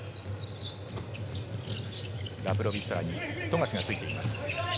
ラプロビットラに富樫がついています。